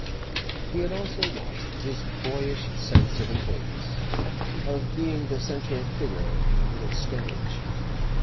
He had also lost his boyish sense of importance, of being the central figure in the little stage.